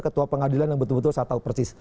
ketua pengadilan yang betul betul saya tahu persis